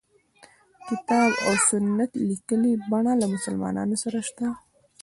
کتاب او سنت لیکلي بڼه له مسلمانانو سره شته.